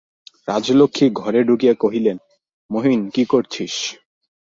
রাজলক্ষ্মী ঘরে ঢুকিয়া কহিলেন, মহিন, কী করছিস।